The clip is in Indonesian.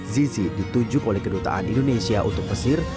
zizi ditunjuk oleh kedutaan indonesia untuk mesir